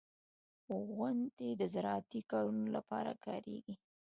• غونډۍ د زراعتي کارونو لپاره کارېږي.